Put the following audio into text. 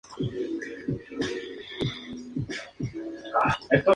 A pesar de la apertura del paseo, las ejecuciones frente a la fortaleza continuaron.